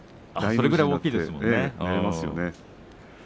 それくらい大きいですよね。